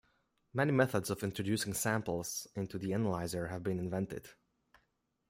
Many methods of introducing samples into the analyser have been invented.